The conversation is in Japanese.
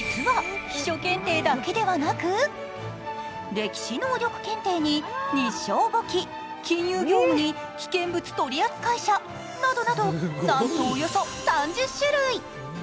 実は秘書検定だけではなく、歴史能力検定に日商簿記、金融業務に危険物取扱者などなど、なんとおよそ３０種類。